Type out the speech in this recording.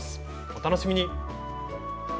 お楽しみに。